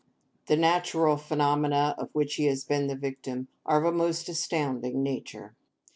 The natural phenomena of which he has been the victim, are of a most astounding nature.